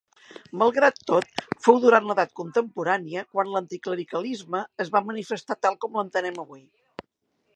Malgrat tot fou durant l'edat contemporània quan l'anticlericalisme es va manifestar tal com l'entenem avui.